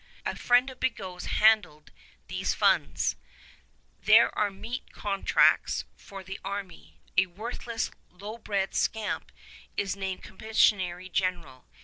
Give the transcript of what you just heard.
A friend of Bigot's handled these funds. There are meat contracts for the army. A worthless, lowbred scamp is named commissary general.